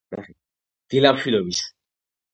დილამშვიდობის.